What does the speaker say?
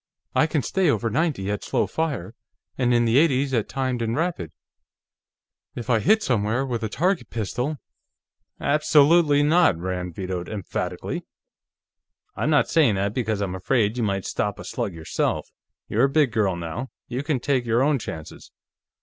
I can stay over ninety at slow fire, and in the eighties at timed and rapid. If I hid somewhere with a target pistol " "Absolutely not!" Rand vetoed emphatically. "I'm not saying that because I'm afraid you might stop a slug yourself. You're a big girl, now; you can take your own chances.